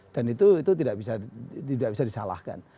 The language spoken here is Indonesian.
dan itu tidak bisa disalahkan